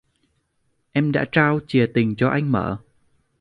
Em đã trao chìa tình cho anh mở